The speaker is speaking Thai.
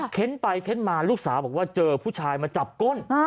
เค้นไปเค้นมาลูกสาวบอกว่าเจอผู้ชายมาจับก้น